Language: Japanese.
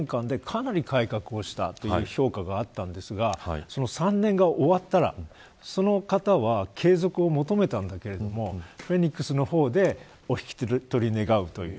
３年間でかなり改革をしたという評価があったんですがその３年が終わったらその方は継続を求めたんだけどフェニックスの方でお引き取り願うという。